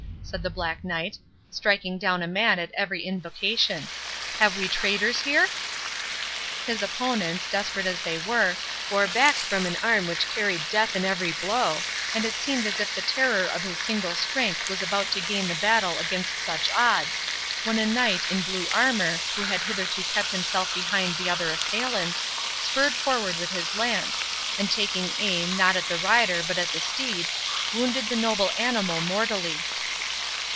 said the Black Knight, striking down a man at every invocation; "have we traitors here?" His opponents, desperate as they were, bore back from an arm which carried death in every blow, and it seemed as if the terror of his single strength was about to gain the battle against such odds, when a knight, in blue armour, who had hitherto kept himself behind the other assailants, spurred forward with his lance, and taking aim, not at the rider but at the steed, wounded the noble animal mortally.